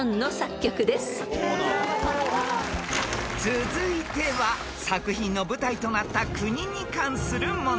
［続いては作品の舞台となった国に関する問題］